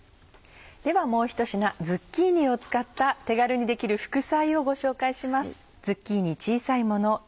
ではもうひと品ズッキーニを使った手軽にできる副菜をご紹介します。